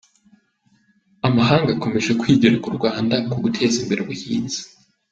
Amahanga akomeje kwigira ku Rwanda ku guteza imbere ubuhinzi